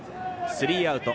スリーアウト。